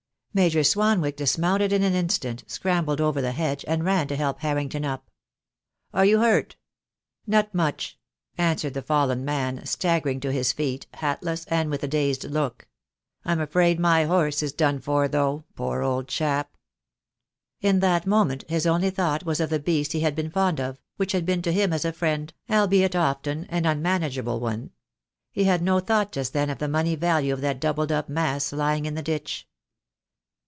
Major Swanwick dismounted in an instant, scrambled over the hedge, and ran to help Harrington up. "Are you hurt?" "Not much," answered the fallen man, staggering to his feet, hatless, and with a dazed look. "I'm afraid my horse is done for, though, poor old chap." In that moment his only thought was of the beast he had been fond of, which had been to him as a friend, albeit often an unmanageable one. He had no thought just then of the money value of that doubled up mass lying in the ditch.